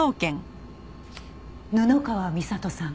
布川美里さん。